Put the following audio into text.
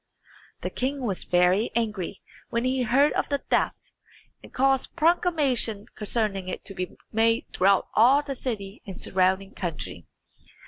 The king was very angry when he heard of the theft, and caused proclamation concerning it to be made throughout all the city and surrounding country.